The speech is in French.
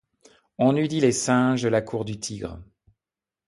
On eût dit les singes de la cour du tigre.